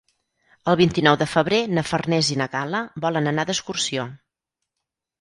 El vint-i-nou de febrer na Farners i na Gal·la volen anar d'excursió.